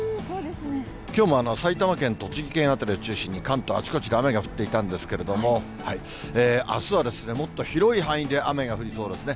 きょうも埼玉県、栃木県辺りを中心に関東のあちこちで雨が降っていたんですけれども、あすはもっと広い範囲で雨が降りそうですね。